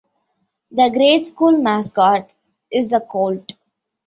The grade school mascot is the Colt.